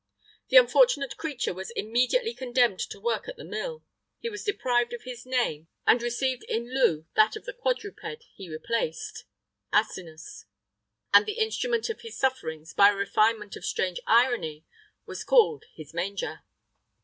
The unfortunate creature was immediately condemned to work at the mill;[III 27] he was deprived of his name, and received in lieu that of the quadruped he replaced Asinus;[III 28] and the instrument of his sufferings, by a refinement of strange irony, was called his manger.